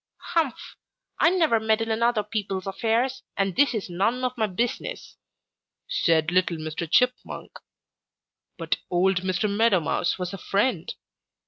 "'Humph! I never meddle in other people's affairs, and this is none of my business,' said little Mr. Chipmunk. "But old Mr. Meadow Mouse was a friend.